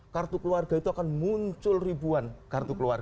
kartu keluarga itu akan muncul ribuan kartu keluarga